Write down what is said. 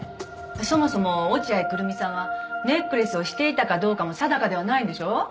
そもそも落合久瑠実さんはネックレスをしていたかどうかも定かではないんでしょう？